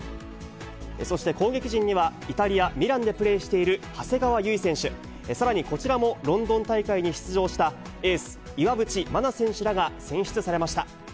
そして攻撃陣には、イタリア・ミランでプレーしている長谷川唯選手、さらにこちらもロンドン大会に出場したエース、岩渕真奈選手らが、選出されました。